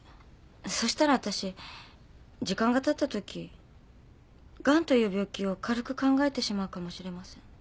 そしたらわたし時間がたったときガンという病気を軽く考えてしまうかもしれません。